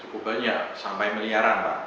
cukup banyak sampai miliaran pak